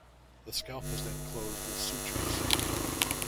The scalp is then closed with sutures.